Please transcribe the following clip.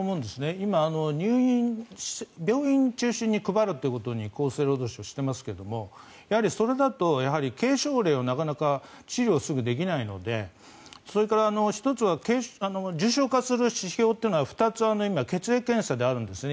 今、病院中心に配ることに厚生労働省はしていますがやはりそれだと軽症例をなかなか治療することができないのでそれから１つは重症化の指標は２つ今血液検査であるんですね。